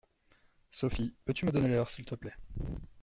Sophie, peux-tu me donner l'heure s'il te plaît?